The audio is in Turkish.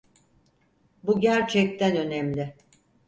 Bu gerçekten önemli.